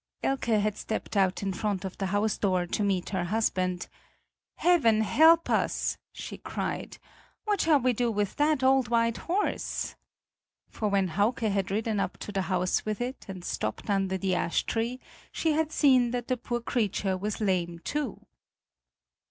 Elke had stepped out in front of the house door to meet her husband: "Heaven help us!" she cried, "what shall we do with that old white horse?" For when Hauke had ridden up to the house with it and stopped under the ash tree, she had seen that the poor creature was lame, too.